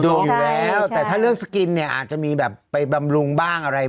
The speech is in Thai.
โด่งอยู่แล้วแต่ถ้าเลือกสกินเนี่ย